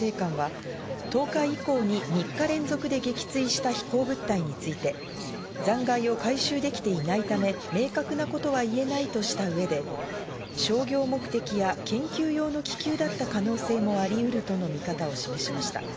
ホワイトハウスのカービー戦略広報調整官は、１０日以降に３日連続で撃墜した飛行物体について、残骸を回収できていないため、明確なことは言えないとした上で、商業目的や研究用の気球だった可能性もありうるとの見方を示しました。